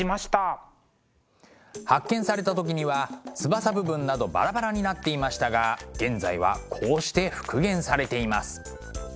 発見された時には翼部分などバラバラになっていましたが現在はこうして復元されています。